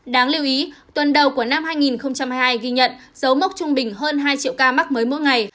đáng lưu ý tuần đầu của năm hai nghìn hai mươi hai ghi nhận dấu mốc trung bình hơn hai triệu ca mắc mới mỗi ngày